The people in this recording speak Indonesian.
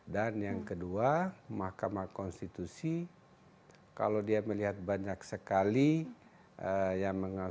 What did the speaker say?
dan yang kedua mahkamah konstitusi kalau dia melihat banyak sekali yang menunjukkan